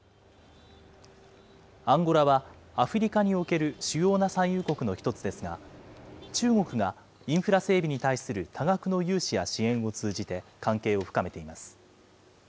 アンゴラは、アフリカにおける主要な産油国の１つですが、中国がインフラ整備に対する多額の融資や支援を通じて関係を深めています。